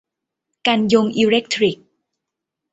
กันยงอีเลคทริก